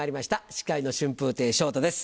司会の春風亭昇太です。